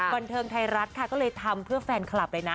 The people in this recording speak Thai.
บันเทิงไทยรัฐค่ะก็เลยทำเพื่อแฟนคลับเลยนะ